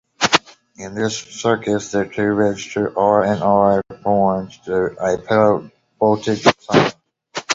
In this circuit, the two resistors R and R form a parallel voltage summer.